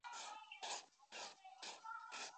Ana Gomes is currently a City Council member of Sintra.